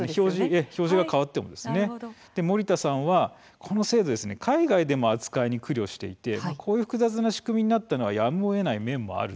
森田さんは、この制度海外でも扱いに苦慮していて複雑な仕組みになったのはやむをえない面もある。